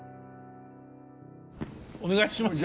お願いします。